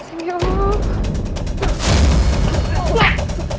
sayang ya allah